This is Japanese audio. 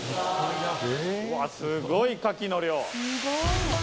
うわっ、すごいカキの量。